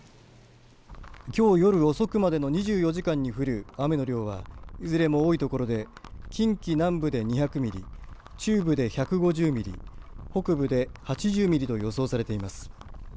きょう夜遅くまでの２４時間に降る雨の量は、いずれも多い所で近畿南部で２００ミリ中部で１５０ミリ北部で８０ミリと予想されています。